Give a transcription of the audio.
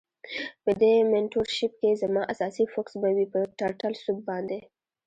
په دی مینټور شیپ کی زما اساسی فوکس به وی په ټرټل سوپ باندی.